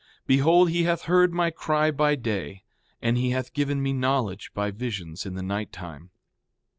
4:23 Behold, he hath heard my cry by day, and he hath given me knowledge by visions in the nighttime.